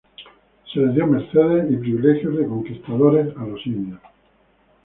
Se les dio mercedes y privilegios de conquistadores a los indios.